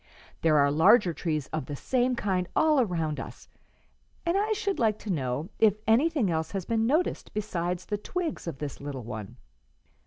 There are larger trees of the same kind all around us, and I should like to know if anything else has been noticed besides the twigs of this little one."